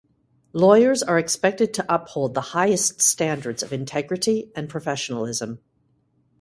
Lawyers are expected to uphold the highest standards of integrity and professionalism.